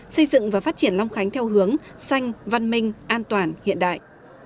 xây dựng và phát triển long khánh theo hướng xanh văn minh an toàn hiện đại